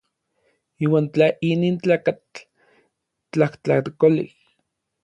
Iuan tla inin tlakatl tlajtlakolej.